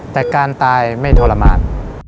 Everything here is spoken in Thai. แต่การตายไม่ทรมาน